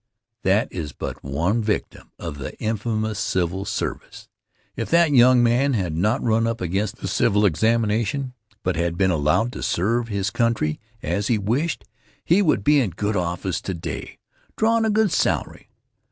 That is but one victim of the infamous civil service. If that young man had not run up against the civil examination, but had been allowed to serve his country as he wished, he would be in a good office today, drawin' a good salary.